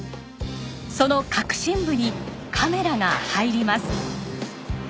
その核心部にカメラが入ります。